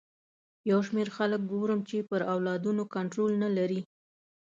یو شمېر خلک ګورم چې پر اولادونو کنټرول نه لري.